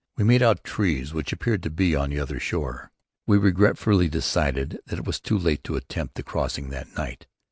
We made out trees which appeared to be on the other shore. We regretfully decided that it was too late to attempt the crossing that night.